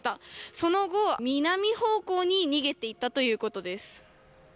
その後、南方向に逃げていったということです。